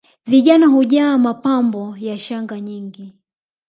Vijana hujaa mapambo ya shanga nyingi